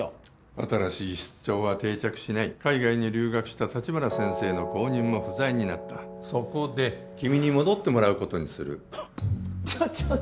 新しい室長は定着しない海外に留学した立花先生の後任も不在になったそこで君に戻ってもらうことにするちょっちょっ